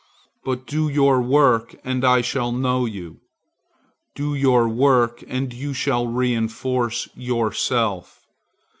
But do your work, and I shall know you. Do your work, and you shall reinforce yourself.